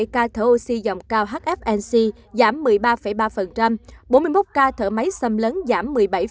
hai mươi bảy ca thở oxy dòng cao hfnc giảm một mươi ba ba bốn mươi một ca thở máy xâm lớn giảm một mươi bảy một